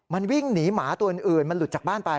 มันวิ่งหนีหมาตัวอื่นมันหลุดจากบ้านไป